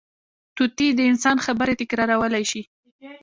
طوطي د انسان خبرې تکرارولی شي